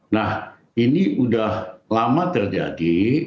nah ini sudah lama terjadi